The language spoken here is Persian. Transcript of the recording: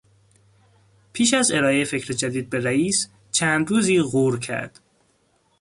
پیش از ارائهی فکر جدید به رییس، چند روزی غور کرد.